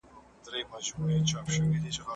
چې دې سترګې مشبه کړم د جامونو